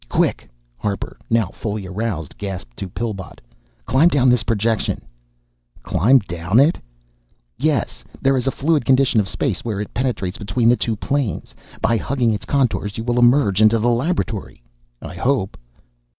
"Quick," Harper, now fully aroused, gasped to Pillbot. "Climb down this projection!" "Climb down it ?" "Yes, there is a fluid condition of space where it penetrates between the two planes. By hugging its contours you will emerge into the laboratory I hope!"